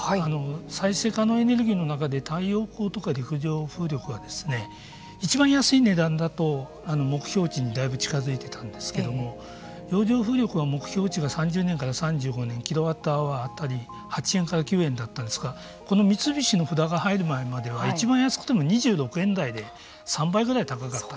再生可能エネルギーの中で太陽光とか陸上風力はいちばん安い値段だと目標値にだいぶ近づいていたんですけれども洋上風力は目標値が３０年から３５年キロワットアワー当たり８円から９円だったんですが三菱の札が入る前はいちばん安くても２６円台で３倍ぐらい高かった。